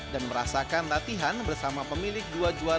dan merasakan latihan bersama pemilik dua juara dunia ini